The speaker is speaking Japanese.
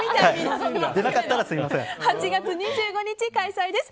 ８月２５日開催です。